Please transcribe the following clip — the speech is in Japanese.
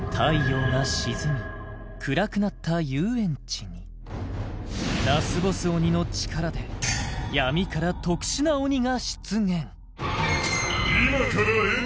暗くなった遊園地にラスボス鬼の力で闇から特殊な鬼が出現